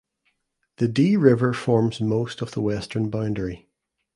The "Dee River" forms most of the western boundary.